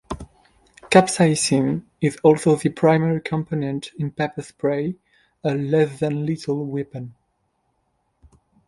Capsaicin is also the primary component in pepper spray, a less-than-lethal weapon.